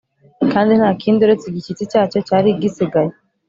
Kandi ntakindi uretse igishyitsi cyacyo cyari gisigaye